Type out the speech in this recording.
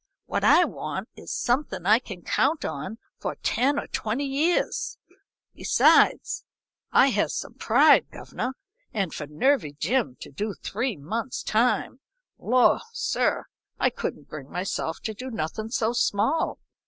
What I want is something I can count on for ten or twenty years. Besides, I has some pride, governor, and for Nervy Jim to do three months' time Lor', sir, I couldn't bring myself to nothin' so small!'